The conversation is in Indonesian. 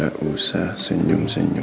gak usah senyum senyum